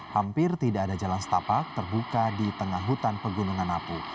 hampir tidak ada jalan setapak terbuka di tengah hutan pegunungan napu